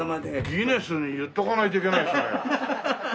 ギネスに言っとかないといけないですね。